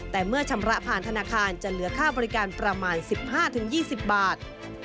แต่เมื่อชำระผ่านธนาคารจะเหลือค่าบริการประมาณ๑๕๒๐บาท